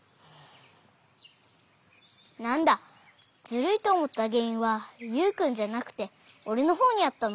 なんだズルいとおもったげんいんはユウくんじゃなくておれのほうにあったのか。